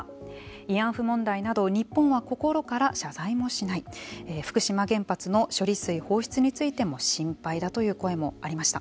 慰安婦問題など日本は心から謝罪もしない福島原発の処理水放出についても心配だという声もありました。